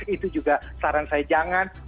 itu juga saran saya jangan